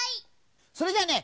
それじゃあね